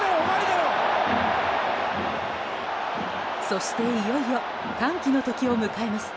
そして、いよいよ歓喜の時を迎えます。